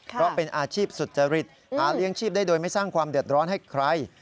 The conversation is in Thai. เพราะเป็นอาชีพสุจริตหาเลี้ยงชีพได้โดยไม่สร้างความเดือดร้อนให้ใคร